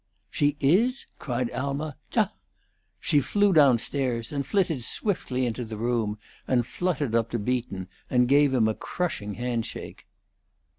V. "She is?" cried Alma. "Tchk!" She flew downstairs, and flitted swiftly into the room, and fluttered up to Beaton, and gave him a crushing hand shake.